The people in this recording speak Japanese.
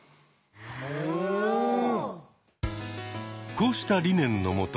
こうした理念のもと